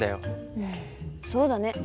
うんそうだね。